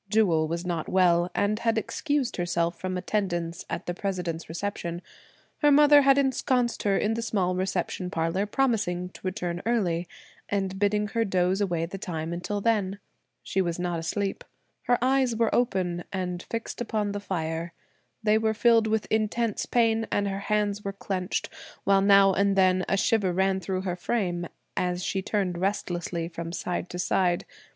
Jewel was not well and had excused herself from attendance at the President's reception. Her mother had ensconced her in the small reception parlor promising to return early, and bidding her doze away the time until then. She was not asleep. Her eyes were open, and fixed upon the fire; they were filled with intense pain, and her hands were clenched, while now and then a shiver ran through her frame, as she turned restlessly from side to side.